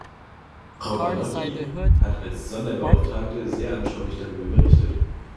Frau Banotti hat als Sonderbeauftragte sehr anschaulich darüber berichtet.